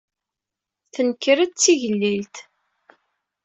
Tenker-d d tigellilt.